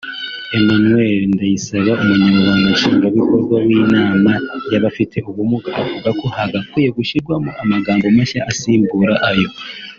Emmanuel Ndayisaba umunyamabanga nshingwabikorwa w’inama y’abafite ubumuga avuga ko hagakwiye gushyirwamo amagambo mashya asimbura ayo